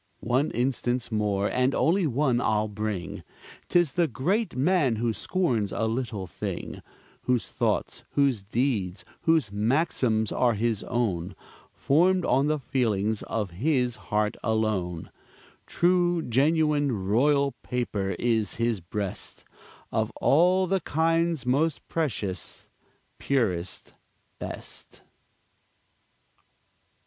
One instance more, and only one, I'll bring; 'Tis the great man who scorns a little thing, Whose thoughts, whose deeds, whose maxims, are his own, Formed on the feelings of his heart alone; True genuine royal paper is his breast, Of all the kinds most precious, purest, best.